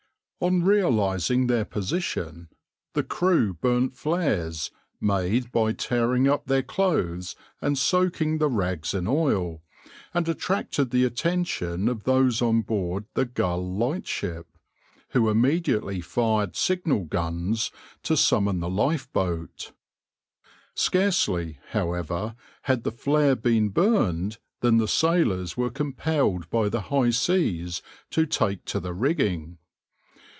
On realising their position, the crew burnt flares, made by tearing up their clothes and soaking the rags in oil, and attracted the attention of those on board the Gull lightship, who immediately fired signal guns to summon the lifeboat. Scarcely, however, had the flare been burned than the sailors were compelled by the high seas to take to the rigging.